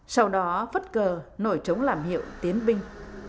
sau đó phất cờ nổi trống làm hiệu tiến binh